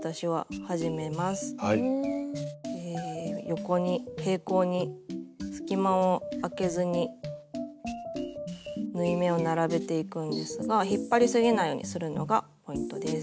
横に平行に隙間をあけずに縫い目を並べていくんですが引っ張りすぎないようにするのがポイントです。